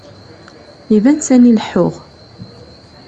Iban sani leḥḥuɣ.